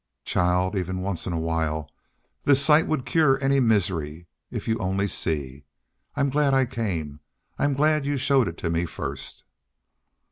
"Child, even once in a while this sight would cure any misery, if you only see. I'm glad I came. I'm glad you showed it to me first."